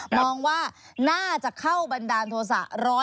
มองว่าน่าจะเข้าบันดาลโทษะ